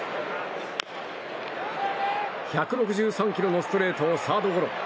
１６３キロのストレートをサードゴロ。